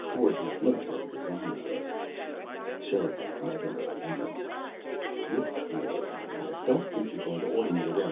Toward the Military Designs labs. Sherikov met him at the entrance. "Look here, Reinhart. Don't think you're going to order me around.